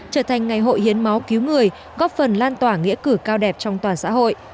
trở thành ngày hội hiến máu cứu người góp phần lan tỏa nghĩa cử cao đẹp trong toàn xã hội